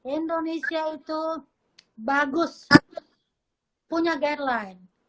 indonesia itu bagus punya guideline